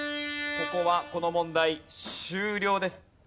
ここはこの問題終了です。